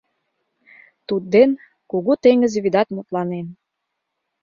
Тудден кугу теҥыз вӱдат мутланен.